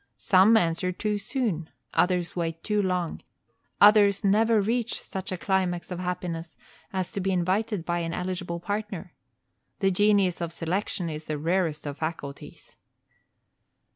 Some answer too soon, others wait too long, others never reach such a climax of happiness as to be invited by an eligible partner. The genius of selection is the rarest of faculties.